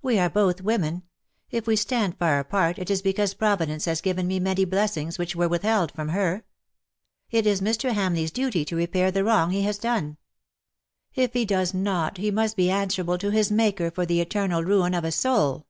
"We are both women. If we stand far apart it is because Providence has given me many blessings which were withheld from her. It is Mr. Hamleigh's duty to repair the wrong he has AND JOY A VANE THAT VEERS." 39 done. If he does not he must be answerable to his Maker for the eternal ruin of a soul.